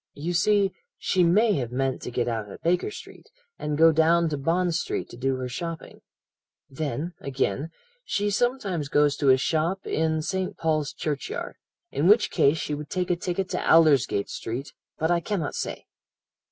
You see, she may have meant to get out at Baker Street, and go down to Bond Street to do her shopping. Then, again, she sometimes goes to a shop in St. Paul's Churchyard, in which case she would take a ticket to Aldersgate Street; but I cannot say.'